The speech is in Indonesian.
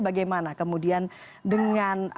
bagaimana kemudian dengan